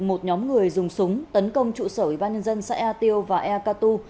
một nhóm người dùng súng tấn công trụ sở ủy ban nhân dân xã ea tiêu và xã ea cà tu